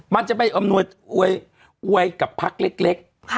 มันจะไปอำนวยกับพักเล็ก